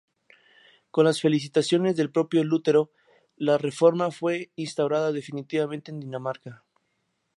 Con las felicitaciones del propio Lutero, la reforma fue instaurada definitivamente en Dinamarca.